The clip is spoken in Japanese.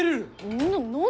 みんな何で？